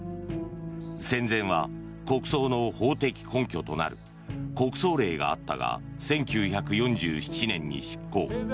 戦前は国葬の法的根拠となる国葬令があったが１９４７年に失効。